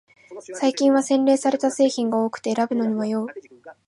最近は洗練された製品が多くて選ぶのに迷う